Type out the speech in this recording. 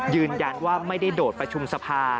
ยืนยันว่าไม่ได้โดดประชุมสภา